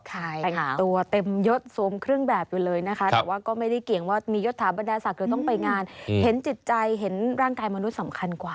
แต่งตัวเต็มยดสวมเครื่องแบบอยู่เลยนะคะแต่ว่าก็ไม่ได้เกี่ยงว่ามียศถาบรรดาศักดิ์ต้องไปงานเห็นจิตใจเห็นร่างกายมนุษย์สำคัญกว่า